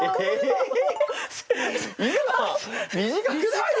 今短くない？